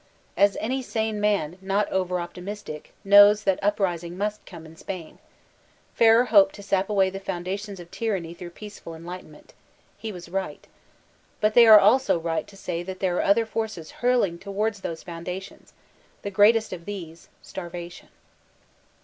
As any sane man, not over optimistic, knows that uprising must come in Spain. Ferrer hoped to sap away the foun dations of tyranny through peaceful enlightenment He was right. But they are also right who say that there are other forces hurling towards those foundations ; the great est of these, — Starvation.